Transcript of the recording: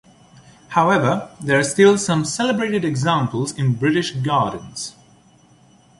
However, there are still some celebrated examples in British gardens.